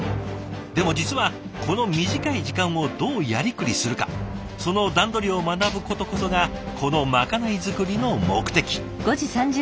でも実はこの短い時間をどうやりくりするかその段取りを学ぶことこそがこのまかない作りの目的。